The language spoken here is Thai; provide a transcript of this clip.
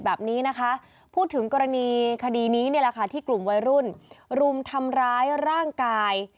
แบบนี้นะคะพูดถึงกรณีคดีนี้นี่แหละค่ะที่กลุ่มวัยรุ่นรุมทำร้ายร่างกาย